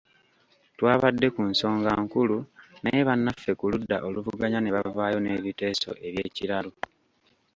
Twabadde ku nsonga nkulu naye bannaffe ku ludda oluvuganya ne bavaayo n’ebiteeso eby’ekiralu .